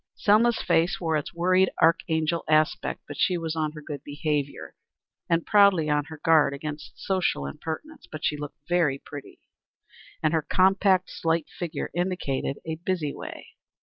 Selma's face wore its worried archangel aspect. She was on her good behavior and proudly on her guard against social impertinence. But she looked very pretty, and her compact, slight figure indicated a busy way.